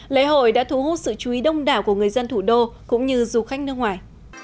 lễ hội đã thu hút sự chú ý đông đảo của người dân thủ đô cũng như du khách nước ngoài